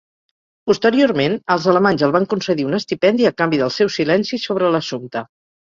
Posteriorment, els alemanys el van concedir un estipendi a canvi del seu silenci sobre l'assumpte.